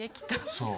そう。